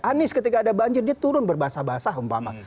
anies ketika ada banjir dia turun berbasa basa empamah